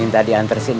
minta diantar si neng